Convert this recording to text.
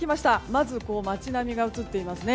まず街並みが映っています。